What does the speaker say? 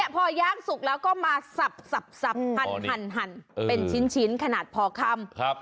พอย่างสุกแล้วก็มาสับหั่นเป็นชิ้นขนาดพอคำ